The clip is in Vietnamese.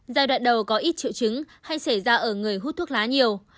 giai đoạn đầu có ít triệu chứng hay xảy ra ở người hút thuốc lá nhiều